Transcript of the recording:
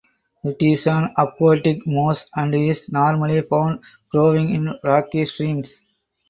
It is an aquatic moss and is normally found growing in rocky streams.